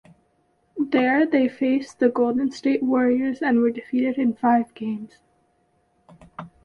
There they faced the Golden State Warriors and were defeated in five games.